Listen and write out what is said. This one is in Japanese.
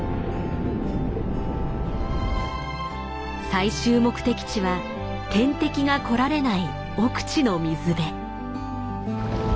最終目的地は天敵が来られない奥地の水辺。